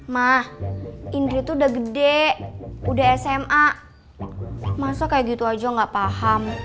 mah indri itu udah gede udah sma masa kayak gitu aja gak paham